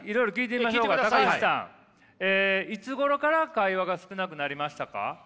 高橋さんいつごろから会話が少なくなりましたか？